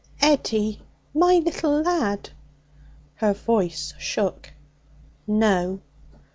'Eddie! my little lad!' Her voice shook. 'No.'